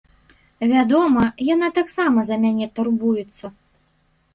Вядома, яна таксама за мяне турбуецца.